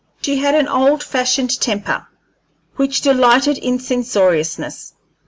She had an old fashioned temper, which delighted in censoriousness.